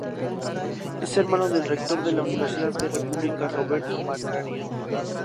Es hermano del rector de la Universidad de la República, Roberto Markarián.